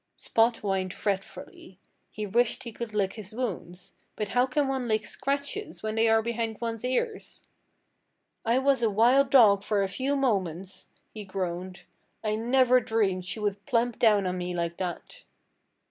Spot whined fretfully. He wished he could lick his wounds. But how can one lick scratches when they are behind one's ears? "I was a wild dog for a few moments," he groaned. "I never dreamed she would plump down on me like that."